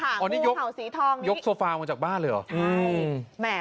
อันนี้ยกโซฟาจากบ้านเลยหรอ